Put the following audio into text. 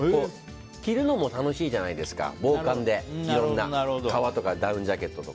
着るのも楽しいじゃないですか防寒で、いろんな革とかダウンジャケットとか。